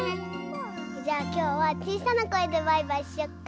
じゃあきょうはちいさなこえでバイバイしよっか？